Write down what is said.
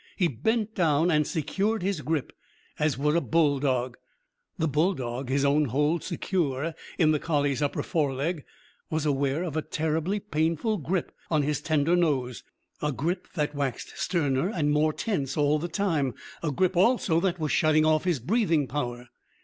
He bent down and secured his grip as would a bulldog. The bulldog, his own hold secure in the collie's upper foreleg, was aware of a terribly painful grip on his tender nose, a grip that waxed sterner and more tense all the time, a grip also that was shutting off his breathing power.